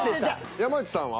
山内さんは？